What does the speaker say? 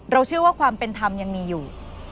เชื่อว่าความเป็นธรรมยังมีอยู่